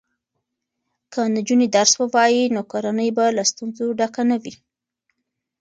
که نجونې درس ووایي نو کورنۍ به له ستونزو ډکه نه وي.